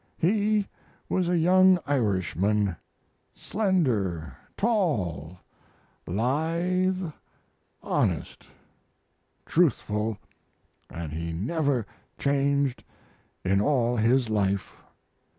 He was a young Irishman, slender, tall, lithe, honest, truthful, and he never changed in all his life.